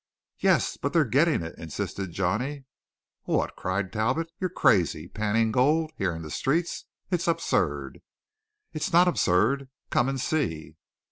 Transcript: "Yes, but they're getting it," insisted Johnny. "What!" cried Talbot. "You're crazy. Panning gold here in the streets. It's absurd!" "It's not absurd; come and see."